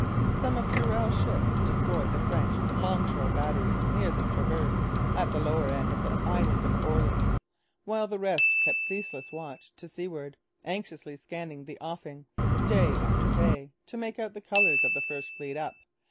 Some of Durell's ships destroyed the French 'long shore batteries near this Traverse, at the lower end of the island of Orleans, while the rest kept ceaseless watch to seaward, anxiously scanning the offing, day after day, to make out the colours of the first fleet up.